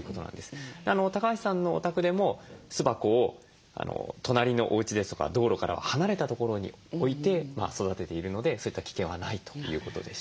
橋さんのお宅でも巣箱を隣のおうちですとか道路から離れた所に置いて育てているのでそういった危険はないということでした。